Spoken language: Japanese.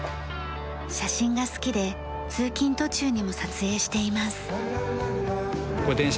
写真が好きで通勤途中にも撮影しています。